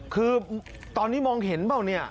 คือตอนนี้มองเห็นเปล่าเนี่ย